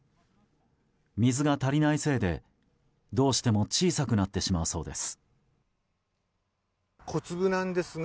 水が足りないせいで、どうしても小さくなってしまうそうです。